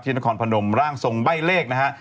ที่นครพนมร่างทรงใบ้เลขนะครับ